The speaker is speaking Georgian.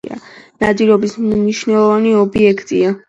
ნადირობის მნიშვნელოვანი ობიექტია.